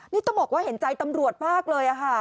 นี่ต้องบอกว่าเห็นใจตำรวจมากเลยค่ะ